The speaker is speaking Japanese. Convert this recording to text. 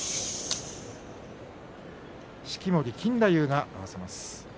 式守錦太夫が合わせます。